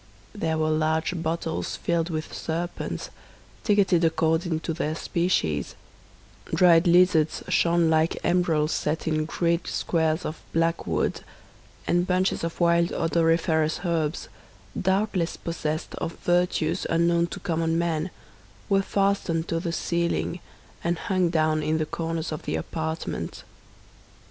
There were large bottles filled with serpents, ticketed according to their species; dried lizards shone like emeralds set in great squares of black wood, and bunches of wild odoriferous herbs, doubtless possessed of virtues unknown to common men, were fastened to the ceiling and hung down in the corners of the apartment.